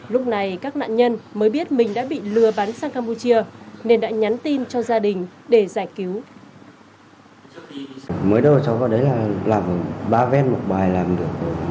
lúc này các nạn nhân mới biết mình đã bị lừa bắn sang campuchia nên đã nhắn tin cho gia đình để giải cứu